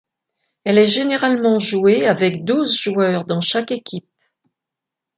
Elle est généralement jouée avec douze joueurs dans chaque équipe.